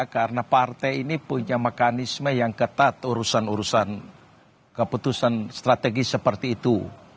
karena partai ini punya mekanisme yang ketat urusan urusan keputusan strategis seperti itu